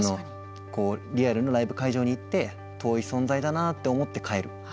リアルのライブ会場に行って遠い存在だなって思って帰る。